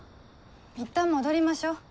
いったん戻りましょ。